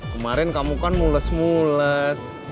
kemarin kamu kan mules mules